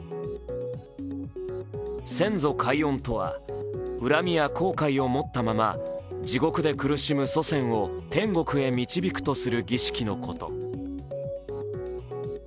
先祖解怨とは恨みや後悔を持ったまま地獄で苦しむ祖先を天国へ導くとする儀式のこと。